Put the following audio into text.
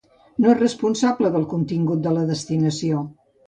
No és responsable del contingut de la destinació.